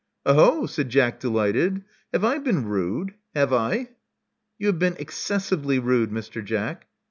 Oho!" said Jack, delighted, Have I been rude? Have 1?" *'You have been excessively rude, Mr. Jack."